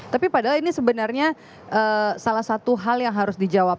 tapi padahal ini sebenarnya salah satu hal yang harus dijawab